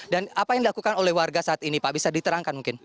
dan apa yang dilakukan oleh warga saat ini pak bisa diterangkan mungkin